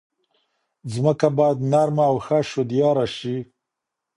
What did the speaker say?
ځمکه باید نرمه او ښه شدیاره شي.